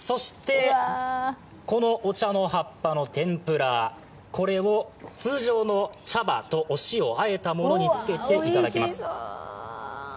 このお茶の葉っぱの天ぷら、これを通常の茶葉とお塩をあえたものにつけていただきます。